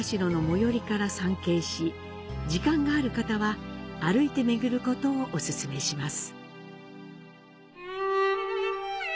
時間がある方は歩いて巡ることをお勧めします。